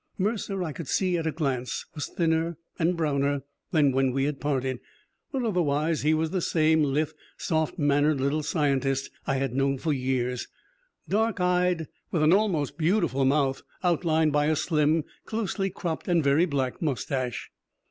Mercer, I could see at a glance, was thinner and browner than when we had parted, but otherwise, he was the same lithe, soft mannered little scientist I had known for years; dark eyed, with an almost beautiful mouth, outlined by a slim, closely cropped and very black moustache.